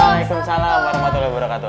waalaikumsalam warahmatullahi wabarakatuh